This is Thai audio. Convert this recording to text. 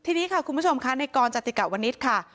ทีนี้ค่ะคุณผู้ชมค่ะในกรจติกะวนิษฐ์ค่ะ